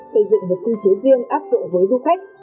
xây dựng một quy chế riêng áp dụng với du khách